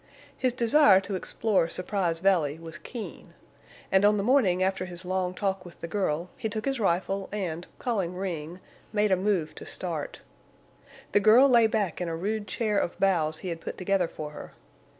His desire to explore Surprise Valley was keen, and on the morning after his long talk with the girl he took his rifle and, calling Ring, made a move to start. The girl lay back in a rude chair of boughs he had put together for her.